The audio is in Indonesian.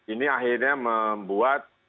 ini akhirnya membuat